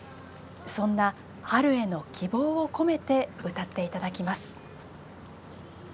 そんな春への希望を込めて歌っていただきます。